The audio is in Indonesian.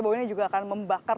bahwa ini juga akan membakar